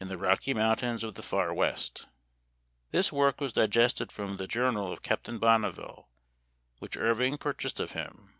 in the Rocky Mountains ot the Far West," This work was g< sted from the jour nal of Captain Bonneville, which Irving pur sed of him.